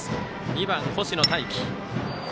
２番、星野泰輝。